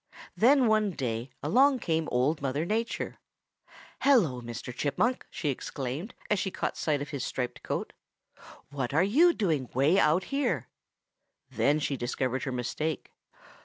Then one day along came Old Mother Nature. 'Hello, Mr. Chipmunk,' she exclaimed, as she caught sight of his striped coat, 'what are you doing way out here?' "Then she discovered her mistake.